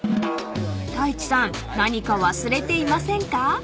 ［太一さん何か忘れていませんか？］